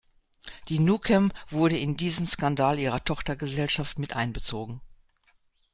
Die Nukem wurde in diesen Skandal ihrer Tochtergesellschaft mit einbezogen.